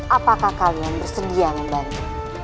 apakah kalian bersedia membantu